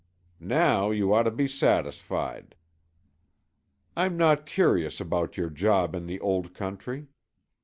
Now you ought to be satisfied. I'm not curious about your job in the Old Country."